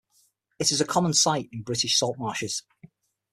It is a common sight in British salt marshes.